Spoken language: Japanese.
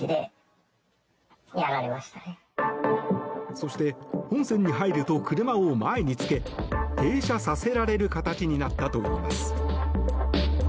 そして、本線に入ると車を前につけ停車させられる形になったといいます。